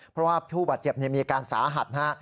เพราะว่าผู้บาดเจ็บเนี่ยมีการสาหัสนะ